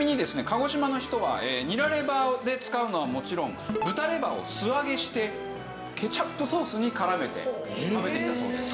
鹿児島の人はニラレバで使うのはもちろん豚レバーを素揚げしてケチャップソースに絡めて食べていたそうです。